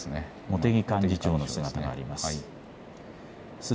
茂木幹事長の姿があります。